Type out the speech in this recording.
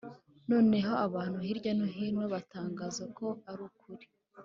noneho abantu hirya no hino batangaza ko arukuri